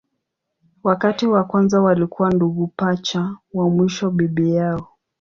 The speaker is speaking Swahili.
Watatu wa kwanza walikuwa ndugu pacha, wa mwisho bibi yao.